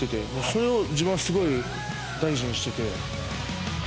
それを自分はすごい大事にしていて。